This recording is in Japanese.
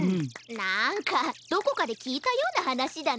なんかどこかできいたようなはなしだな。